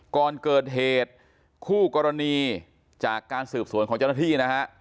ก่อนเกิดเหตุคู่กรณีจากการสืบสวนของเจ้าหน้าที่นะฮะ